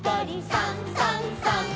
「さんさんさん」